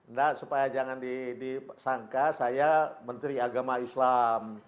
enggak supaya jangan disangka saya menteri agama islam